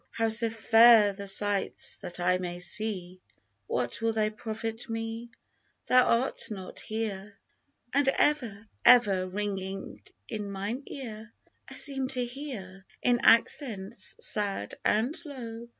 how so fair the sights that I may see What will they profit me ? Thou art not here ! And ever, ever, ringing in mine ear I seem to hear, in accents sad and low.